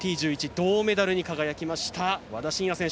銅メダルに輝きました和田伸也選手。